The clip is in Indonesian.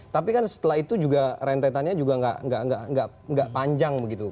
tapi kan setelah itu juga rentetannya juga nggak panjang begitu